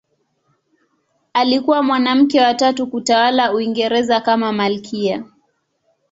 Alikuwa mwanamke wa tatu kutawala Uingereza kama malkia.